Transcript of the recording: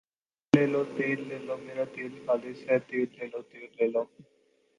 تیل لے لو ، تیل لے لو میرا تیل خالص ھے تیل لے لو تیل لے لو